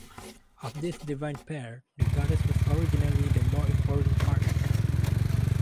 Of this divine pair, the goddess was originally the more important partner.